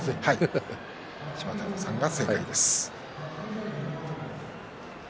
芝田山さんが正解でした。